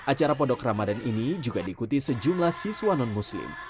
acara pondok ramadan ini juga diikuti sejumlah siswa non muslim